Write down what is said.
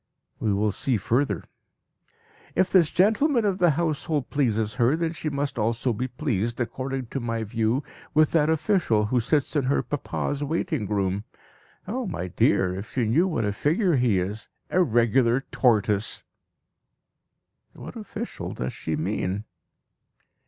We will see further.) "If this gentleman of the Household pleases her, then she must also be pleased, according to my view, with that official who sits in her papa's writing room. Ah, my dear, if you know what a figure he is! A regular tortoise!" (What official does she mean?)